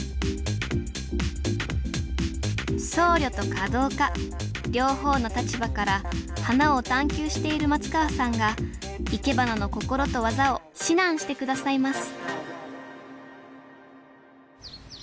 僧侶と華道家両方の立場から花を探究している松川さんがいけばなの心と技を指南して下さいます